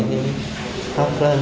thủ tướng mường